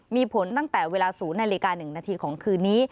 มีผลตั้งแต่เวลา๐นาฬิกา๑นาทีของคืนนี้